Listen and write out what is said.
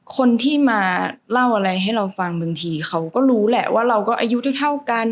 คนที่มาเล่าอะไรให้เราฟังบางทีเขาก็รู้แหละว่าเราก็อายุเท่ากัน